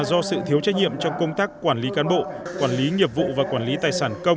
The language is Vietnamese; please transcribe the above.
do sự thiếu trách nhiệm trong công tác quản lý cán bộ quản lý nghiệp vụ và quản lý tài sản công